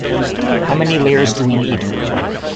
How many layers do we need?